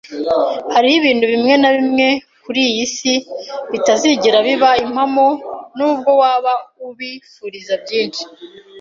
Hariho ibintu bimwe na bimwe kuriyi si bitazigera biba impamo, nubwo waba ubifuriza byinshi.